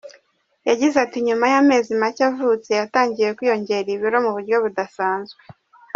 Yagize ati: “Nyuma y’amezi macye avutse, yatangiye kwiyongera ibiro mu buryo budasanzwe.